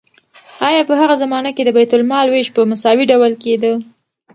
آیا په هغه زمانه کې د بیت المال ویش په مساوي ډول کیده؟